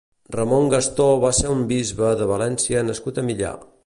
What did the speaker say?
Ramon Gastó va ser un bisbe de València nascut a Millà.